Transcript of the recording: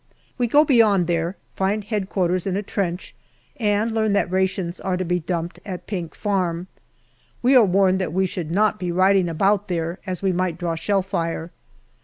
We go beyond there, find H.Q. in a trench, and learn that rations are to be dumped at Pink Farm. We are warned that we should not be riding about there, as we might draw shell fire.